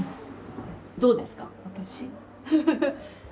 どうですか？